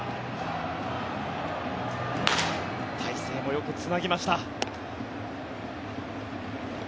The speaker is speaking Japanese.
大勢もよくつなぎました。